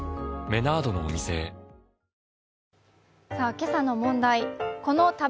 今朝の問題。